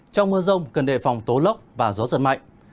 trong mưa rông cần đề phòng tố lốc và gió giật mạnh